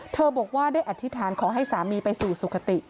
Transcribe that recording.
บอกว่าได้อธิษฐานขอให้สามีไปสู่สุขติ